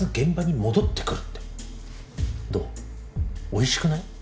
おいしくない？